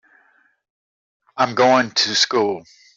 I'm going to school.